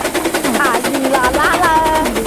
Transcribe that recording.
奥斯陆自由论坛创办者是。